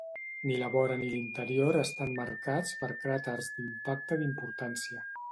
Ni la vora ni l'interior estan marcats per cràters d'impacte d'importància.